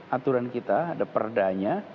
aturan kita ada perdanya